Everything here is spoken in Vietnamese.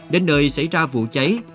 đến nơi xảy ra vụ cháy